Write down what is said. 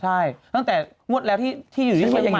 ใช่ตั้งแต่มวดแล้วที่อยู่ที่เชียงใหม่